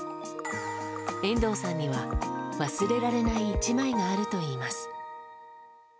遠藤さんには忘れられない一枚があるといいます。